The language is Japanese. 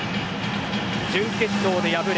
準決勝で敗れ